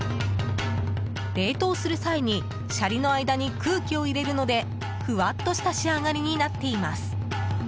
冷凍する際にシャリの間に空気を入れるのでフワッとした仕上がりになっています。